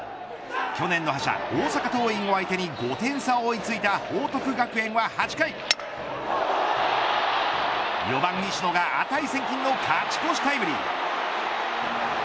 去年の覇者、大阪桐蔭を相手に５点差に追いついた報徳学園は８回４番、石野が値千金の勝ち越しタイムリー。